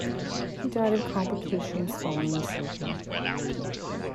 He died of complications following surgery.